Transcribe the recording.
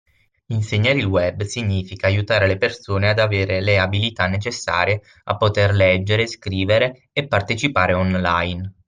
Insegnare il web significa aiutare le persone ad avere le abilità necessarie a poter leggere, scrivere e partecipare online